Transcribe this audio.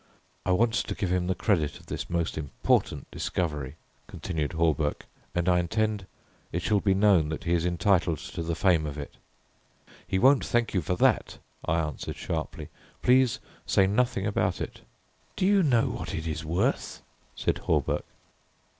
"I want to give him the credit of this most important discovery," continued Hawberk. "And I intend it shall be known that he is entitled to the fame of it." "He won't thank you for that," I answered sharply; "please say nothing about it." "Do you know what it is worth?" said Hawberk.